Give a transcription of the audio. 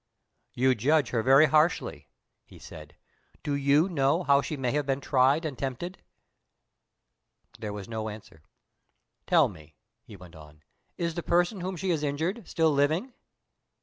"You judge her very harshly," he said. "Do you know how she may have been tried and tempted?" There was no answer. "Tell me," he went on, "is the person whom she has injured still living?"